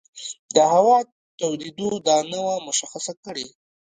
د هوا تودېدو دا نه وه مشخصه کړې.